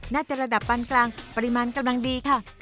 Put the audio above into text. ระดับปานกลางปริมาณกำลังดีค่ะ